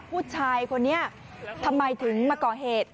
ผู้ชายคนนี้ทำไมถึงมาก่อเหตุ